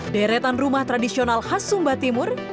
deretan rumah tradisional khas sumba timur